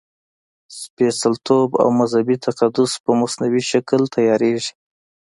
سپېڅلتوب او مذهبي تقدس په مصنوعي شکل تیارېږي.